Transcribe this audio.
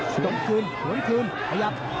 สวนคืนขยับ